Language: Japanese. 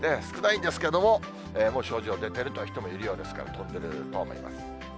少ないんですけれども、もう症状出てるという人もいるようですけども、飛んでると思います。